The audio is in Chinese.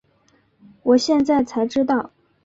我现在才知道